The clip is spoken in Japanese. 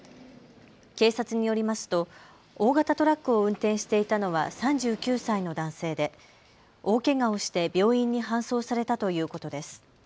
警察によりますと大型トラックを運転していたのは３９歳の男性で大けがをして病院に搬送されたということです。